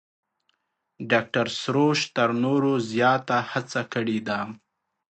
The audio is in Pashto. ډاکتر سروش تر نورو زیات هڅه کړې ده.